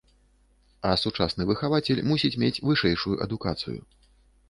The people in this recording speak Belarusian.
А сучасны выхавацель мусіць мець вышэйшую адукацыю.